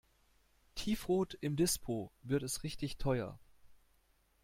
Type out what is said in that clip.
"Tiefrot im Dispo" wird es richtig teuer.